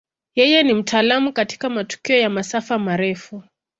Yeye ni mtaalamu katika matukio ya masafa marefu.